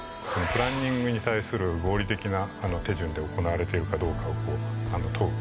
プランニングに対する合理的な手順で行われているかどうかを問う。